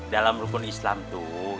dalam hukum islam tuh